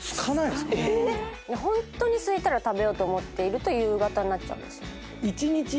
ホントにすいたら食べようって思っていると夕方になっちゃうんです。